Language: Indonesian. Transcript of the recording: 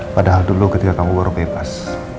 padahal dulu ketika kamu baru bebas